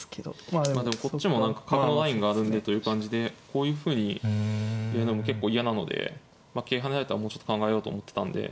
まあでもこっちも何か角のラインがあるんでという感じでこういうふうにやるのも結構嫌なので桂跳ねられたらもうちょっと考えようと思ってたんで。